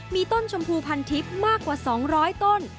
มีต้นชมพูพันทิพย์มากกว่า๒๐๐ต้น